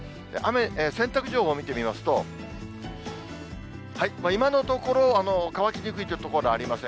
洗濯情報見てみますと、今のところ、乾きにくいという所はありません。